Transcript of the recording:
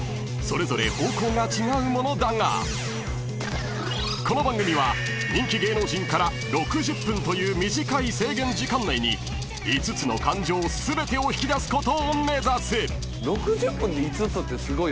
［それぞれ方向が違うものだがこの番組は人気芸能人から６０分という短い制限時間内に５つの感情全てを引き出すことを目指す］